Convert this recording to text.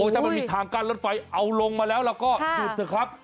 ถ้ามันมีทางกั้นรถไฟเอาลงมาแล้วเราก็หยุดเถอะครับ